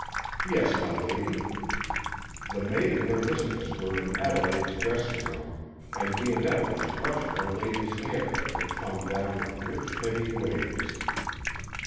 "Yes, my lady." The maid and her mistress were in Adelaide's dressing room, and Dionetta was brushing her lady's hair, which hung down in rich, heavy waves.